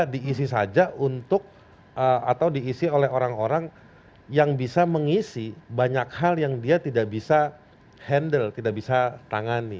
diisi saja untuk atau diisi oleh orang orang yang bisa mengisi banyak hal yang dia tidak bisa handle tidak bisa tangani